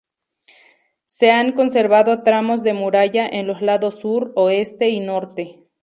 Se han conservado tramos de muralla en los lados sur, oeste, y norte.